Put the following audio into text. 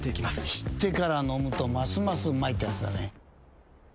知ってから飲むとますますうまいってやつだね。